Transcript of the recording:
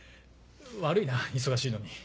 悪いな忙しいのに。